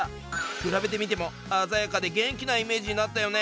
比べてみてもあざやかで元気なイメージになったよね！